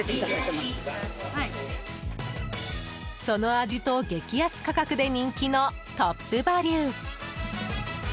その味と激安価格で人気のトップバリュ。